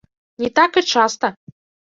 Не так і часта!